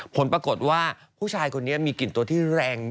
ผลปรากฏว่าผู้ชายคนนี้มีกลิ่นตัวที่แรง